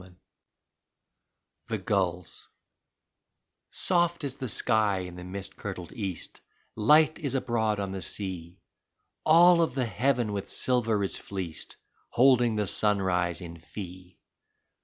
27 THE GULLS I Soft is the sky in the mist kirtled east, Light is abroad on the sea, All of the heaven with silver is fleeced, Holding the sunrise in fee.